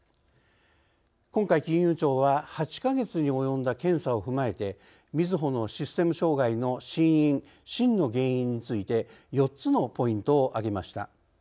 今回金融庁は８か月に及んだ検査を踏まえてみずほのシステム障害の真因真の原因について４つのポイントを挙げました。